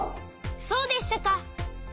そうでしたか！